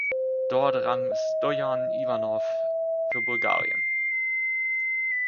Dort rang Stojan Iwanow für Bulgarien.